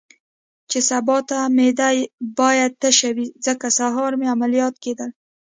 چې سبا ته مې معده باید تشه وي، ځکه سهار مې عملیات کېدل.